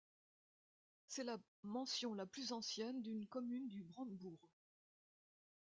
C'est la mention la plus ancienne d'une commune du Brandebourg.